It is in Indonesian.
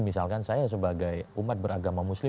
misalkan saya sebagai umat beragama muslim